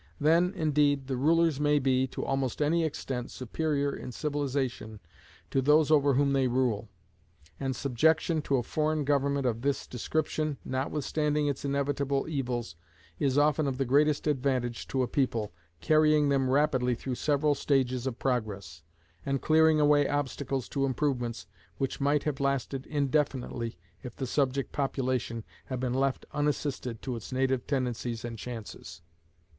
Then, indeed, the rulers may be, to almost any extent, superior in civilization to those over whom they rule; and subjection to a foreign government of this description, notwithstanding its inevitable evils, is often of the greatest advantage to a people, carrying them rapidly through several stages of progress, and clearing away obstacles to improvement which might have lasted indefinitely if the subject population had been left unassisted to its native tendencies and chances.